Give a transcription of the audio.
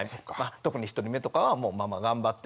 特に１人目とかはママ頑張ってね